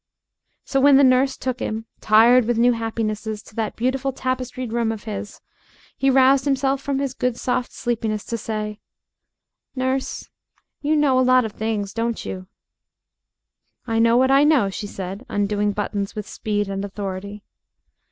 So when the nurse took him, tired with new happinesses, to that beautiful tapestried room of his, he roused himself from his good soft sleepiness to say "Nurse, you know a lot of things, don't you?" "I know what I know," she answered, undoing buttons with speed and authority.